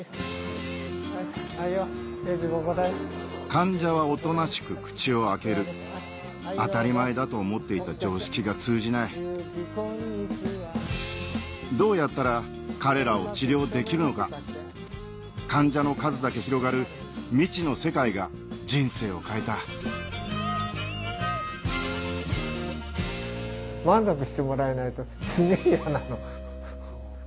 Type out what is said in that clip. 患者はおとなしく口を開ける当たり前だと思っていた常識が通じないどうやったら彼らを治療できるのか患者の数だけ広がる未知の世界が人生を変えたあれなのかね？